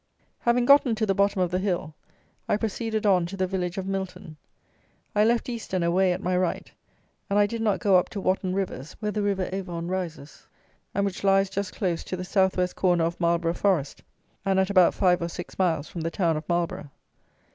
Having gotten to the bottom of the hill, I proceeded on to the village of Milton. I left Easton away at my right, and I did not go up to Watton Rivers where the river Avon rises, and which lies just close to the South west corner of Marlborough Forest, and at about 5 or 6 miles from the town of Marlborough.